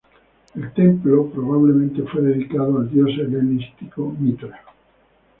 El templo probablemente fue dedicado al dios helenístico Mitra.